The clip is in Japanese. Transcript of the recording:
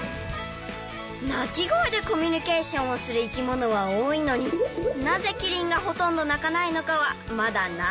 鳴き声でコミュニケーションをする生き物は多いのになぜキリンがほとんど鳴かないのかはまだ謎なんだそう。